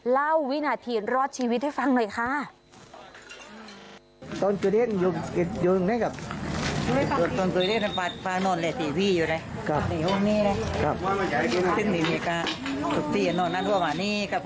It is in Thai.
วินาทีรอดชีวิตให้ฟังหน่อยค่ะ